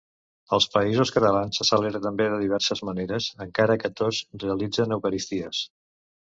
Als Països Catalans se celebra també de diverses maneres encara que tots realitzen eucaristies.